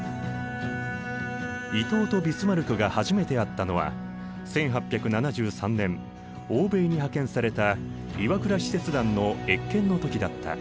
伊藤とビスマルクが初めて会ったのは１８７３年欧米に派遣された岩倉使節団の謁見の時だった。